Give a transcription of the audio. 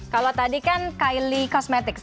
kalau tadi kan kylie kosmetics